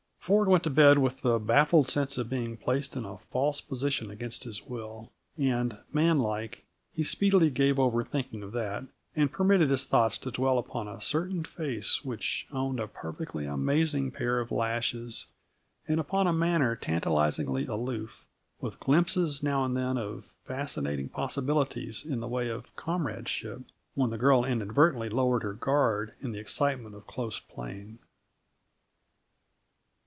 Ford went to bed with the baffled sense of being placed in a false position against his will; and, man like, he speedily gave over thinking of that, and permitted his thoughts to dwell upon a certain face which owned a perfectly amazing pair of lashes, and upon a manner tantalizingly aloof, with glimpses now and then of fascinating possibilities in the way of comradeship, when the girl inadvertently lowered her guard in the excitement of close playing.